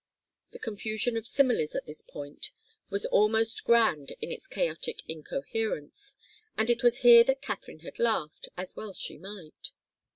The confusion of similes at this point was almost grand in its chaotic incoherence, and it was here that Katharine had laughed, as well she might.